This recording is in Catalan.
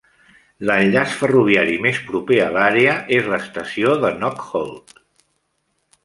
L'enllaç ferroviari més proper a l'àrea és l'estació de Knockholt.